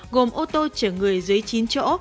gồm ô tô chở người dưới chín chỗ